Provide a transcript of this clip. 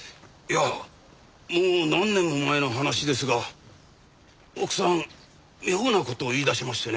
いやもう何年も前の話ですが奥さん妙な事を言い出しましてね。